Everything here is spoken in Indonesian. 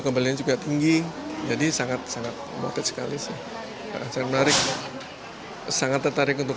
kembali juga tinggi jadi sangat sangat moder sekali sih saya menarik sangat tertarik untuk